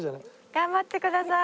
頑張ってください。